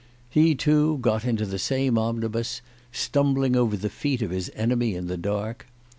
He, too, got into the same omnibus, stumbling over the feet of his enemy in the dark.